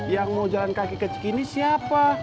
yang mau jalan kaki ke cikini siapa